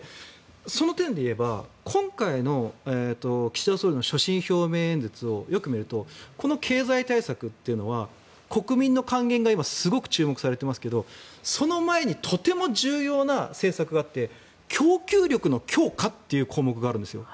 その点で言えば今回の岸田総理の所信表明演説をよく見るとこの経済対策というのは国民の還元が今、すごく注目されてますけどその前にとても重要な政策があって供給力の強化という項目があるんですよ。